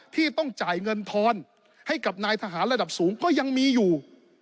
ที่ต้องจ่ายเงินทอนให้กับนายทหารระดับสูงก็ยังมีอยู่